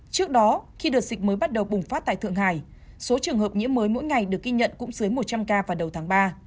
trước đó khi đợt dịch mới bắt đầu bùng phát tại thượng hải số trường hợp nhiễm mới mỗi ngày được ghi nhận cũng dưới một trăm linh ca vào đầu tháng ba